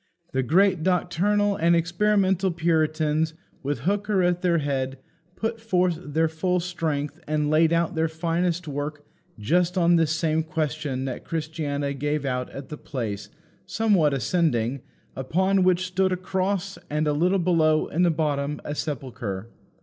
The great doctrinal and experimental Puritans, with Hooker at their head, put forth their full strength and laid out their finest work just on this same question that Christiana gave out at the place, somewhat ascending, upon which stood a cross, and a little below, in the bottom, a sepulchre.